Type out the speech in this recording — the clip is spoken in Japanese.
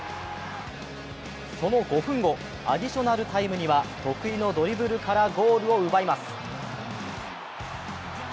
その５分後、アディショナルタイムには得意のドリブルからゴールを奪います。